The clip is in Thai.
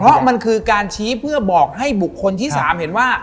เพราะมันคือการชี้เพื่อบอกให้บุคคลที่๓เห็นว่า